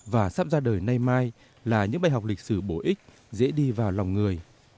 và sắp ra đời nay mai là những bài học lịch sử bổ ích dễ đi vào lòng người